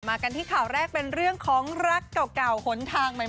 กันที่ข่าวแรกเป็นเรื่องของรักเก่าหนทางใหม่